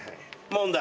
問題。